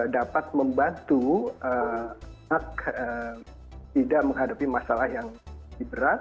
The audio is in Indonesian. dapat membantu anak tidak menghadapi masalah yang berat